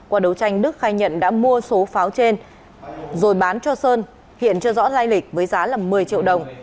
qua đấu tranh đức khai nhận đã mua số pháo trên rồi bán cho sơn hiện chưa rõ lai lịch với giá một mươi triệu đồng